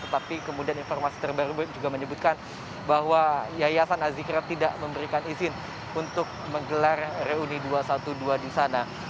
tetapi kemudian informasi terbaru juga menyebutkan bahwa yayasan azikrat tidak memberikan izin untuk menggelar reuni dua ratus dua belas di sana